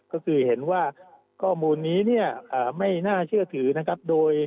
ก็คือเห็นว่าข้อมูลนี้เนี่ยไม่น่าเชื่อถือนะครับโดย